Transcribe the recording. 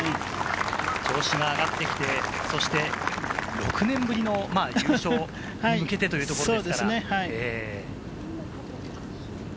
調子が上がってきて、そして６年ぶりの優勝に向けてというところですから。